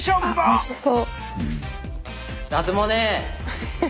おいしそう。